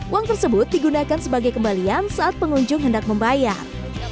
uang tersebut digunakan sebagai kembalian saat pengunjung hendak membayar